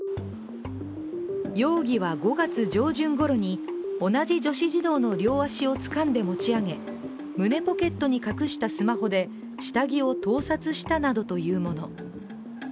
容疑は５月上旬ごろに同じ女子児童の両足をつかんで持ち上げ胸ポケットに隠したスマホで下着を盗撮したなどというもの。